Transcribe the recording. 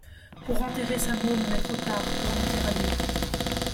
pour enterrer sa môme mais trop tard, pour lui dire adieu.